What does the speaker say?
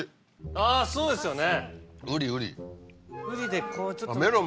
あぁそうですよね。